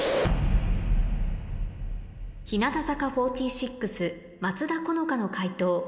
日向坂４６松田好花の解答